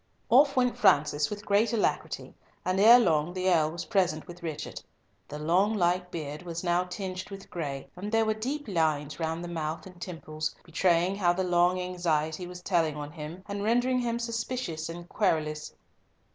Off went Francis with great alacrity, and ere long the Earl was present with Richard. The long light beard was now tinged with gray, and there were deep lines round the mouth and temples, betraying how the long anxiety was telling on him, and rendering him suspicious and querulous.